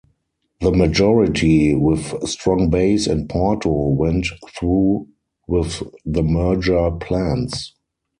The majority, with strong base in Porto, went through with the merger plans.